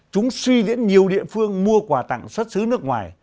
chúng suy diễn nhiều địa phương mua quà tặng xuất xứ nước ngoài